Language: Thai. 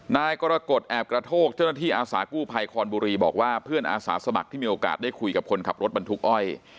นายกรกฎแอบกระโทกเจ้าหน้าที่อาสากู้ภัยคอนบุรีบอกว่าเพื่อนอาสาสมัครที่มีโอกาสได้คุยกับคนขับรถบรรทุกอ้อย